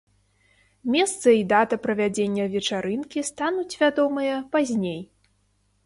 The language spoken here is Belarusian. Месца і дата правядзення вечарынкі стануць вядомыя пазней.